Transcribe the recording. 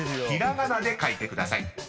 ひらがなで書いてください］